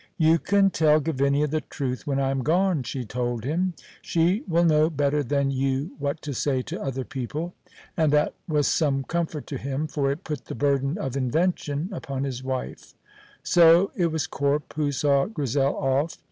"You can tell Gavinia the truth when I am gone," she told him. "She will know better than you what to say to other people." And that was some comfort to him, for it put the burden of invention upon his wife. So it was Corp who saw Grizel off.